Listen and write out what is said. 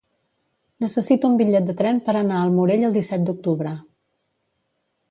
Necessito un bitllet de tren per anar al Morell el disset d'octubre.